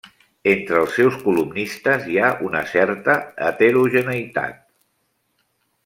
Entre els seus columnistes hi ha una certa heterogeneïtat.